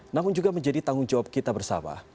namun juga menjadi tanggung jawab kita bersama